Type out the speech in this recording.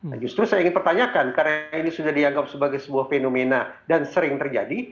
nah justru saya ingin pertanyakan karena ini sudah dianggap sebagai sebuah fenomena dan sering terjadi